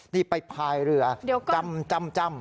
นี่ไปพายเรือจ้ำ